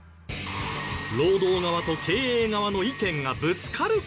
労働側と経営側の意見がぶつかる事が多い。